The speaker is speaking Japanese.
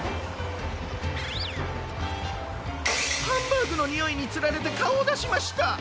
ハンバーグのにおいにつられてかおをだしました！